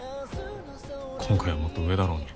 今回はもっと上だろうな。